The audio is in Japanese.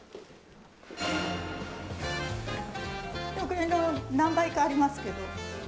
でも、これの何倍かありますけど。